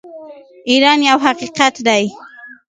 ایران یو حقیقت دی.